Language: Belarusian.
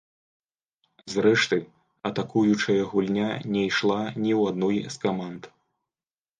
Зрэшты, атакуючая гульня не ішла ні ў адной з каманд.